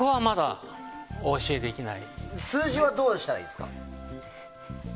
数字はどうしたらいいですか？